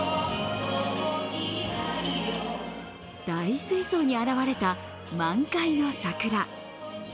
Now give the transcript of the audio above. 大水槽に現れた満開の桜。